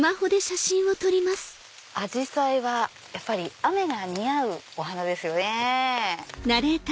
あらアジサイはやっぱり雨が似合うお花ですよね。